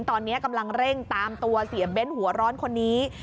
ตอนนี้กำลังเร่งตามตัวเสียเบ้นหัวร้อนคนนี้